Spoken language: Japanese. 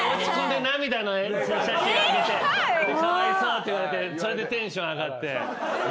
「かわいそう」って言われてそれでテンション上がって。